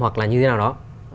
hoặc là như thế nào đó